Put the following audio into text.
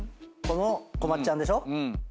このこまっちゃんでしょ。